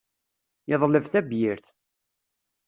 Yeḍleb tabyirt.